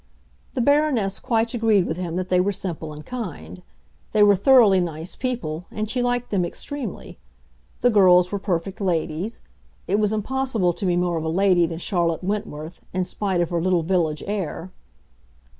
The Baroness quite agreed with him that they were simple and kind; they were thoroughly nice people, and she liked them extremely. The girls were perfect ladies; it was impossible to be more of a lady than Charlotte Wentworth, in spite of her little village air.